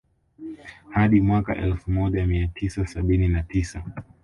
Hadi mwaka elfu moja mia tisa sabini na tisa